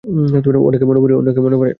ওনাকে মনে পড়ে?